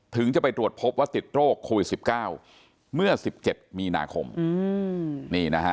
ถึงจะไปตรวจพบว่าติดโรคโควิดสิบเก้าเมื่อสิบเจ็ดมีนาคมอืมนี่นะฮะ